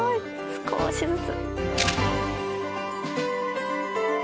少しずつ。